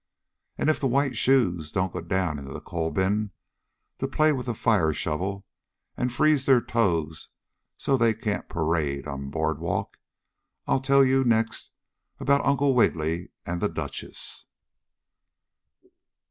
And if the white shoes don't go down in the coal bin to play with the fire shovel and freeze their toes so they can't parade on the Board Walk, I'll tell you next about Uncle Wiggily and the Duchess.